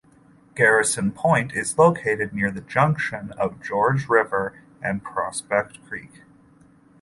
Garrison Point is located near the junction of Georges River and Prospect Creek.